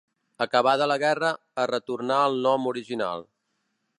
Acabada la guerra, es retornà al nom original.